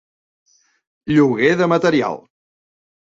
Lloguer de material.